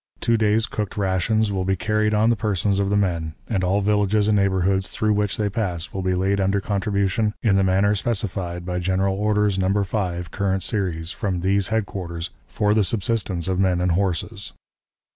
Two days' cooked rations will be carried on the persons of the men, and all villages and neighborhoods through which they pass will be laid under contribution in the manner specified by General Orders, No. 5, current series, from these headquarters, for the subsistence of men and horses.